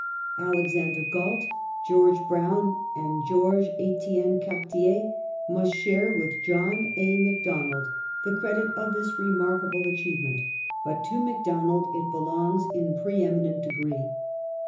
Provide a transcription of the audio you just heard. ^ Alexander Gait, George Brown, and George ifitienne Cartier must share with John A. Macdonald the credit of this remarkable achievement ; but to Macdonald it belongs in pre eminent degree.